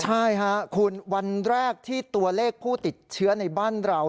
ใช่ค่ะคุณวันแรกที่ตัวเลขผู้ติดเชื้อในบ้านเรา